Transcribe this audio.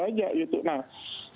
nah sekarang yang terjadi adalah